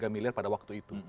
tiga miliar pada waktu itu